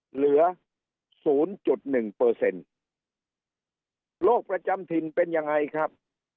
เหลือศูนย์จุดหนึ่งเปอร์เซ็นต์โรคประจำถิ่นเป็นยังไงครับ